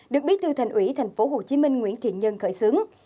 được biết từ thành ủy thành phố hồ chí minh nguyễn thiện nhân khởi xướng